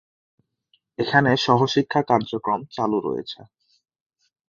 এখানে সহশিক্ষা কার্যক্রম চালু রয়েছে।